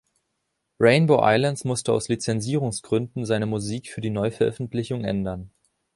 „Rainbow Islands“ musste aus Lizenzierungsgründen seine Musik für die Neuveröffentlichung ändern.